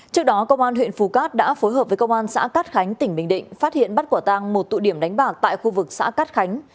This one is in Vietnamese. trước đó công an huyện phù cát đã phối hợp với công an xã cát khánh tỉnh bình định phát hiện bắt quả tang một tụ điểm đánh bạc tại khu vực xã cát khánh